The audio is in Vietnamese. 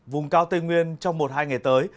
vùng cao tây nguyên trong một hai ngày tới